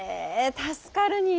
助かるにぃ。